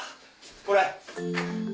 これ。